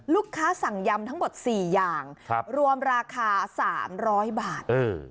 สั่งยำทั้งหมด๔อย่างรวมราคา๓๐๐บาท